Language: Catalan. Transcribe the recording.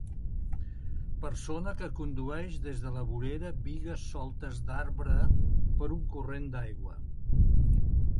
Persona que condueix des de la vorera bigues soltes d'arbre per un corrent d'aigua.